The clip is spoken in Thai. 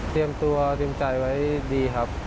เตรียมตัวติดใจไว้ดีครับ